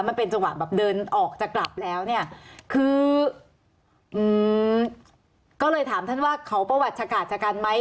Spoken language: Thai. มันเป็นจังหวะแบบเดินออกจะกลับแล้วเนี่ยคืออืมก็เลยถามท่านว่าเขาประวัติชะกาศจากกันไหม